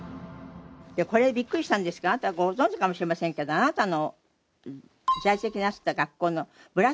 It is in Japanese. これビックリしたんですけどあなたはご存じかもしれませんけどあなたの在籍なさった学校のブラスバンドの。